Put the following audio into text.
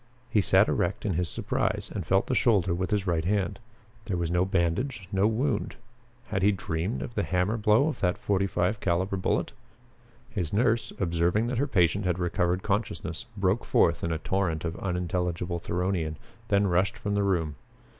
He sat erect in his surprise and felt the shoulder with his right hand. There was no bandage, no wound. Had he dreamed of the hammer blow of that forty five caliber bullet? His nurse, observing that her patient had recovered consciousness, broke forth in a torrent of unintelligible Theronian, then rushed from the room.